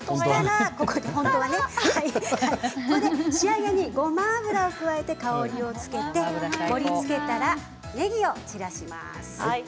仕上げにごま油を加えて香りをつけて盛りつけたらねぎを散らします。